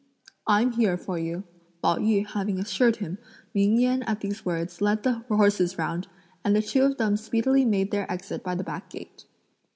"I'm here for you!" Pao yü having assured him; Ming Yen at these words led the horses round, and the two of them speedily made their exit by the back gate.